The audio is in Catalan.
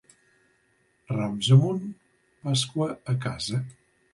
Rams amunt, Pasqua a casa.